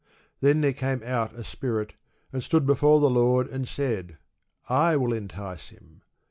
Then there came out a spirit, and stood before the Lord, and said, I will entice him.